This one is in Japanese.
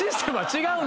違う！